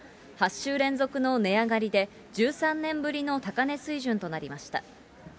８週連続の値上がりで、１３年ぶりの高値水準となりました。